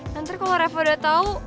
nanti kalo reva udah tau